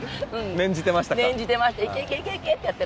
念じていました。